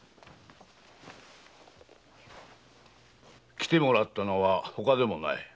来てもらったのは他でもない。